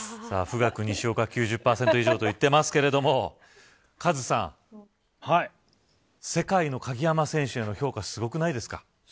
さあ、富岳西岡は９０％以上と言ってますけどカズさん、世界の鍵山選手への評価、すごくないですか。